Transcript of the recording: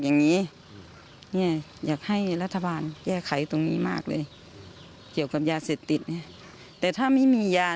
นี่แหละจะฝากไป